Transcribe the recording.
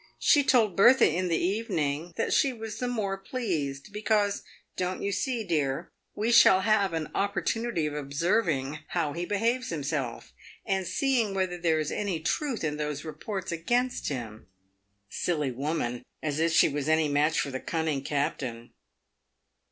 She told Bertha in the evening that she was the more pleased "because, don't you see, dear, we shall have an opportunity of observing how he behaves himself, and seeing whether there is any truth in those reports against him." Silly woman ! As if she was any match for the cunning captain.